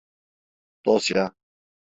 Dosya…